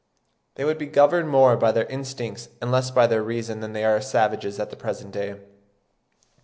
They would be governed more by their instincts and less by their reason than are savages at the present day.